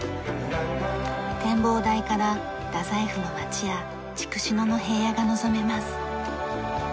展望台から太宰府の町や筑紫野の平野が望めます。